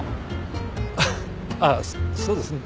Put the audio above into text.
ああそうですね。